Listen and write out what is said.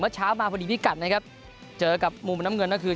เช้ามาพอดีพิกัดนะครับเจอกับมุมน้ำเงินก็คือ